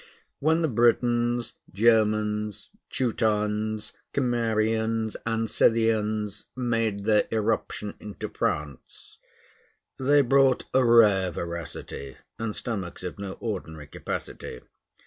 When the Britons, Germans, Teutons, Cimmerians, and Scythians made their irruption into France, they brought a rare voracity, and stomachs of no ordinary capacity.